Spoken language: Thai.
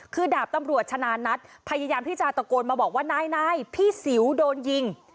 คือดาบตำรวจชนะนัทพยายามที่จะตะโกนมาบอกว่านายพี่สิวโดนยิง